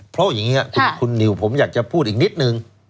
เพราะอย่างนี้ครับคุณนิวผมอยากจะพูดอีกนิดนึง